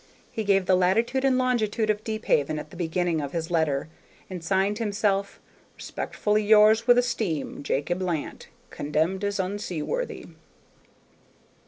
He gave the latitude and longitude of Deephaven at the beginning of his letter, and signed himself, "Respectfully yours with esteem, Jacob Lant (condemned as unseaworthy)."